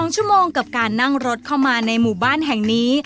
๒ชั่วโมงกับการนั่งรถเข้ามาในหมู่บ้านแห่งนี้